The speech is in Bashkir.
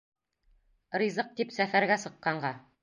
Ризыҡ тип сәфәргә сыҡҡанға